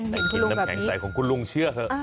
กินน้ำแข็งใสของคุณลุงเชื่อเถอะ